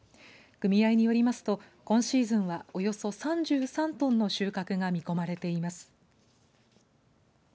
組合によりますと、今シーズンはおよそ３３トンの収穫が見込まれています。